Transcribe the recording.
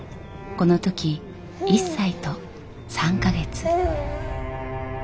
この時１歳と３か月。